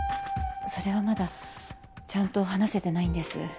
それはまだちゃんと話せてないんです。